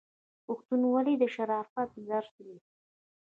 پښتونولي د شرافت درس دی.